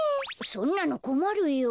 そんなのこまるよ。